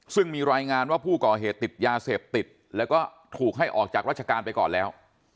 ซึ่งมีรายงานว่าผู้ก่อเหตุติดยาเสพติดแล้วก็ถูกให้ออกจากราชการไปก่อนแล้ว